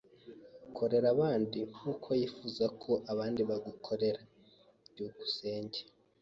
Korera abandi nkuko wifuza ko abandi bagukorera. byukusenge